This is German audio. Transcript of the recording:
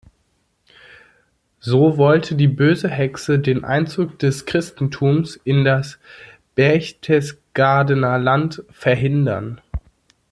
So wollte die böse Hexe den Einzug des Christentums in das Berchtesgadener Land verhindern.